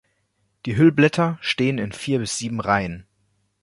Die Hüllblätter stehen in vier bis sieben Reihen.